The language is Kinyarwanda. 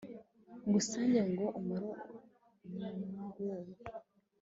ngusanga ngo umare umwuma, wowe